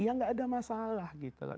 ya nggak ada masalah gitu loh